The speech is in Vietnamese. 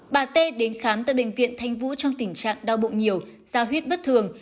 bà tê đến khám tại bệnh viện thành vũ trong tình trạng đau bụng nhiều da huyết bất thường